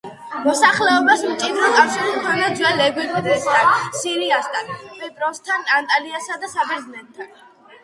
მოსახლეობას მჭიდრო კავშირი ჰქონდა ძველ ეგვიპტესთან, სირიასთან, კვიპროსთან, ანატოლიასა და საბერძნეთთან.